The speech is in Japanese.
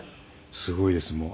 すごいですもう。